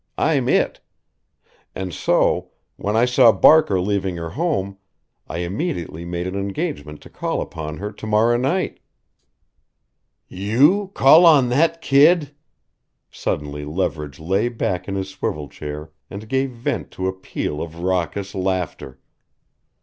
I'm it! And so when I saw Barker leaving her home I immediately made an engagement to call upon her to morrow night!" "You call on that kid " Suddenly Leverage lay back in his swivel chair and gave vent to a peal of raucous laughter.